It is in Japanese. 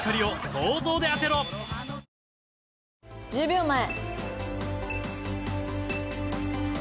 １０秒前。